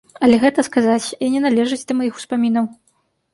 Але гэта, сказаць, і не належыць да маіх успамінаў.